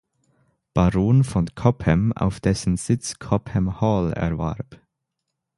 Baron von Cobham auf dessen Sitz Cobham Hall erwarb.